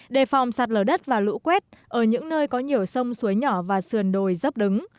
đề phòng sạt lở đất và lũ quét ở những nơi có nhiều sông suối nhỏ và sườn đồi dấp đứng